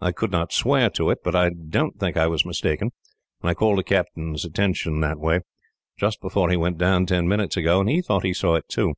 I could not swear to it, but I don't think I was mistaken, and I called the captain's attention that way, just before he went down ten minutes ago, and he thought he saw it, too.